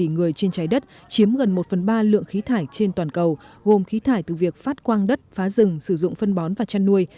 người trên trái đất chiếm gần một phần ba lượng khí thải trên toàn cầu gồm khí thải từ việc phát quang đất phá rừng sử dụng phân bón và chăn nuôi